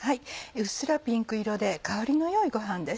うっすらピンク色で香りの良いご飯です。